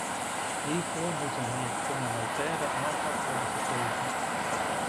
Hiervoor moet een meer communautaire aanpak worden gekozen.